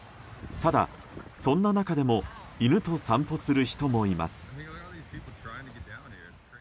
ただ、そんな中でも犬と散歩する人もいます。